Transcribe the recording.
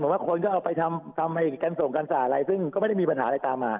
ว่าคนก็เอาไปทำการส่งกันศาสตร์อะไรซึ่งก็ไม่ได้มีปัญหาอะไรตามมา